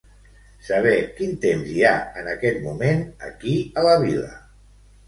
Saber quin temps hi ha en aquest moment aquí a la vila.